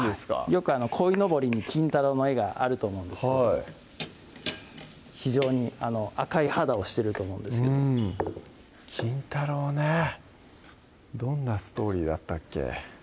よくこいのぼりに金太郎の絵があると思うんですけど非常に赤い肌をしてると思うんですけど金太郎ねどんなストーリーだったっけ？